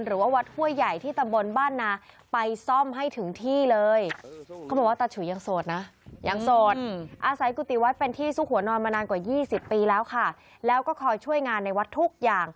หรือวัดห้วยใหญ่ที่ตะบลบ้านนาไปซ่อมให้ถึงที่เลย